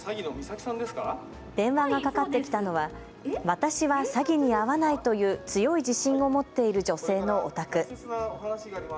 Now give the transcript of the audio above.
電話がかかってきたのは私は詐欺に遭わないという、強い自信を持っている女性のお宅。